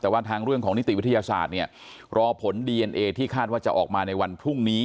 แต่ว่าทางเรื่องของนิติวิทยาศาสตร์เนี่ยรอผลดีเอ็นเอที่คาดว่าจะออกมาในวันพรุ่งนี้